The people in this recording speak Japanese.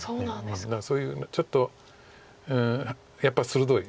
そういうちょっとやっぱり鋭い。